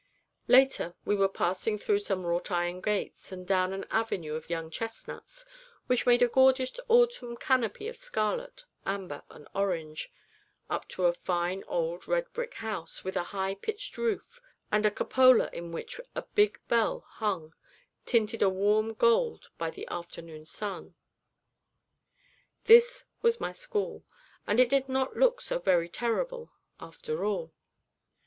Later we were passing through some wrought iron gates, and down an avenue of young chestnuts, which made a gorgeous autumn canopy of scarlet, amber, and orange, up to a fine old red brick house, with a high pitched roof, and a cupola in which a big bell hung, tinted a warm gold by the afternoon sun. This was my school, and it did not look so very terrible after all.